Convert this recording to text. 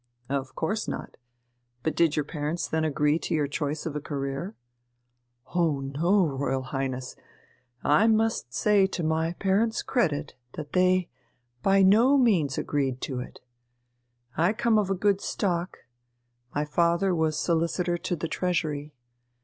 "Of course not.... But did your parents then agree to your choice of a career?" "Oh no, Royal Highness! I must say to my parents' credit that they by no means agreed to it. I come of a good stock: my father was Solicitor to the Treasury.